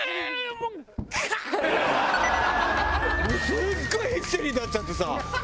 もうすっごいヒステリーになっちゃってさ。